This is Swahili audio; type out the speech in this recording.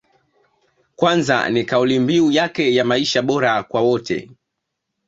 Kwanza ni kaulimbiu yake ya maisha bora kwa wote